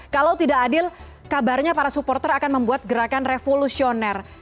kalau tidak adil kabarnya para supporter akan membuat gerakan revolusioner